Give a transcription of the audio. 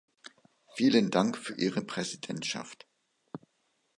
Vielen Dank für Ihre Präsidentschaft!